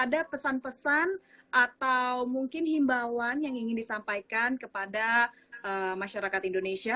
ada pesan pesan atau mungkin himbauan yang ingin disampaikan kepada masyarakat indonesia